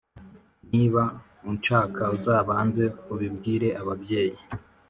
Niba unshaka uzabanze ubibwire ababyeyi